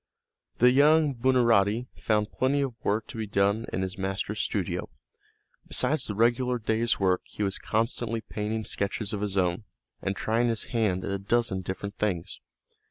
The young Buonarotti found plenty of work to be done in his master's studio. Besides the regular day's work he was constantly painting sketches of his own, and trying his hand at a dozen different things.